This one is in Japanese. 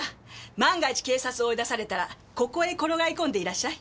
万が一警察を追い出されたらここへ転がり込んでいらっしゃい。